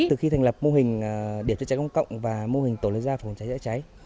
từ khi thành lập mô hình điểm chữa cháy công cộng và mô hình tổ liên gia phòng cháy chữa cháy